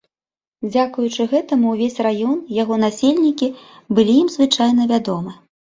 Дзякуючы гэтаму ўвесь раён, яго насельнікі былі ім звычайна вядомы.